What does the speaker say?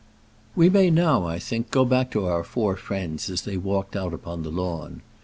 We may now, I think, go back to our four friends, as they walked out upon the lawn.